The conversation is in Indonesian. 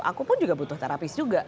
aku pun juga butuh terapis juga